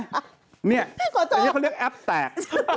อันนี้เขาเรียกแอปแตก